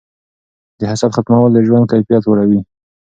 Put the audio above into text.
د حسد ختمول د ژوند کیفیت لوړوي.